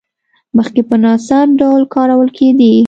مخکې په ناسم ډول کارول کېدې.